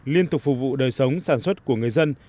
liên tục phục vụ đời sống sản xuất của người dân